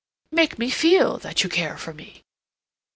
Make me feel that you care for me!"